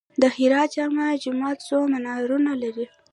د هرات جامع جومات څو منارونه لري؟